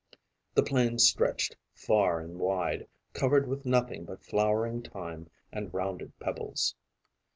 The plain stretched far and wide, covered with nothing but flowering thyme and rounded pebbles.